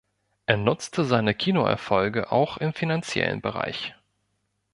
Er nutzte seine Kinoerfolge auch im finanziellen Bereich.